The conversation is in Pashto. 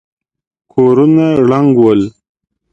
کورونه ړنګ ول.